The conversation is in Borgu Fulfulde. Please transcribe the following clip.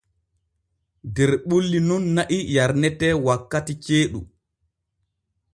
Der ɓulli nun na'i yarnete wankati ceeɗu.